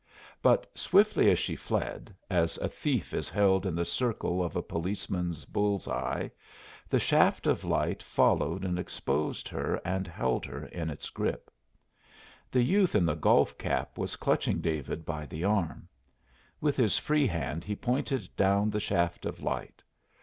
But swiftly as she fled, as a thief is held in the circle of a policeman's bull's eye, the shaft of light followed and exposed her and held her in its grip. The youth in the golf cap was clutching David by the arm. With his free hand he pointed down the shaft of light.